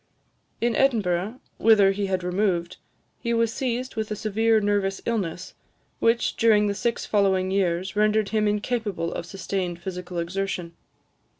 In Edinburgh, whither he had removed, he was seized with a severe nervous illness, which, during the six following years, rendered him incapable of sustained physical exertion.